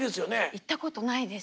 行ったことないです。